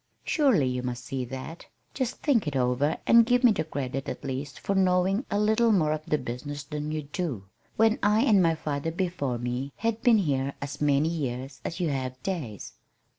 Surely you must see that. Just think it over, and give me the credit at least for knowing a little more of the business than you do, when I and my father before me, have been here as many years as you have days.